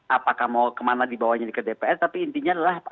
apakah mau kemana dibawanya ke dpr tapi intinya adalah